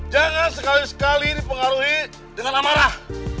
jangan sekali sekali dipengaruhi dengan amarah